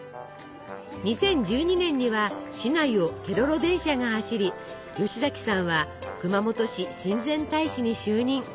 ２０１２年には市内をケロロ電車が走り吉崎さんは熊本市親善大使に就任。